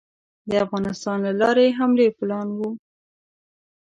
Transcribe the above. د افغانستان له لارې حملې پلان وو.